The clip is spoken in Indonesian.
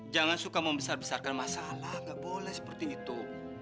jangan suka membesar besarkan masalah gak boleh seperti itu